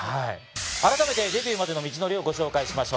改めてデビューまでの道のりをご紹介しましょう。